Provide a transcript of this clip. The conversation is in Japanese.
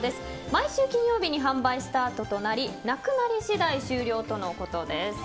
毎週金曜日に販売スタートとなりなくなり次第終了とのことです。